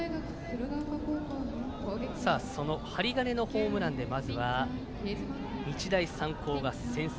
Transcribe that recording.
その針金のホームランでまずは日大三高が先制。